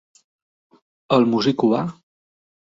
El músic cubà?